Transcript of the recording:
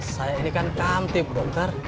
saya ini kan kantip dokter